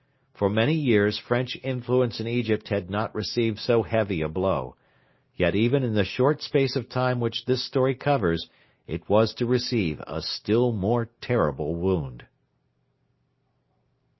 For many years French influence in Egypt had not received so heavy a blow; yet even in the short space of time which this story covers it was to receive a still more terrible wound.